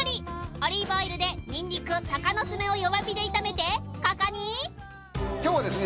オリーブオイルでニンニクタカノツメを弱火で炒めてここに今日はですね